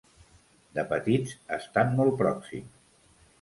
De petits, estan molt pròxims.